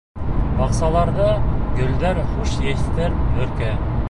Баҡсаларҙа гөлдәр хуш еҫтәр бөркә.